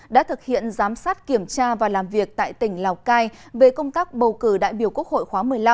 đã thực hiện giám sát kiểm tra và làm việc tại tỉnh lào cai về công tác bầu cử đại biểu quốc hội khóa một mươi năm